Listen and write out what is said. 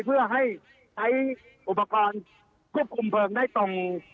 เพื่อให้ใช้อุปกรณ์ควบคุมเพลิงได้ตรง